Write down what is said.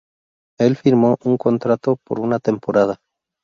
Él firmó un contrato por una temporada.